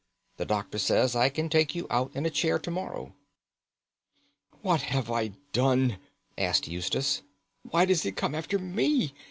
The doctor says I can take you out in a chair to morrow." "What have I done?" asked Eustace. "Why does it come after me?